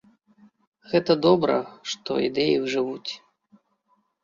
Гэта добра, што ідэі жывуць.